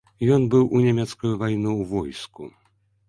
Ён быў у нямецкую вайну ў войску.